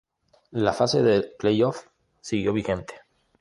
La fase de play-offs siguió vigente.